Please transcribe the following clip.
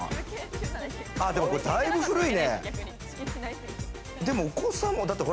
でも、これだいぶ古いね。